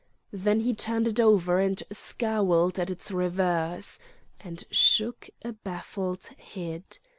Then he turned it over and scowled at its reverse. And shook a baffled head.